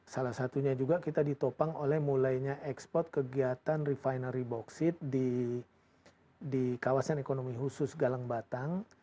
salah satunya juga kita ditopang oleh mulainya ekspor kegiatan refinery boksit di kawasan ekonomi khusus galang batang